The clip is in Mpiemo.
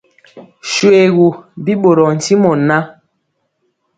Shoégu, bi ɓorɔɔ ntimɔ ŋan.